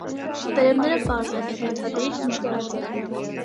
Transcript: Տերևները պարզ են, հերթադիր, նշտարաձև։